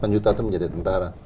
delapan juta itu menjadi tentara